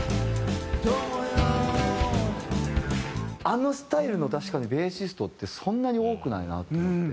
あのスタイルの確かにベーシストってそんなに多くないなと思って。